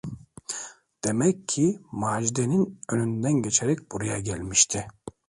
Demek ki Macide’nin önünden geçerek buraya gelmişti?